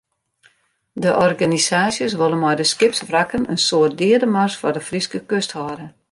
De organisaasjes wolle mei de skipswrakken in soart deademars foar de Fryske kust hâlde.